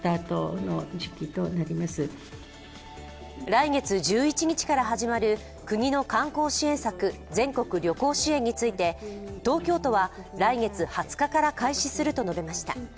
来月１１日から始まる国の観光支援策、全国旅行支援について東京都は来月２０日から開始すると述べました。